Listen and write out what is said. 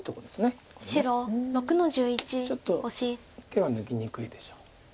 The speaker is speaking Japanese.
ちょっと手は抜きにくいでしょう。